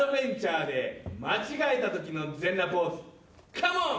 「カモン！」